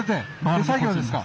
手作業ですか？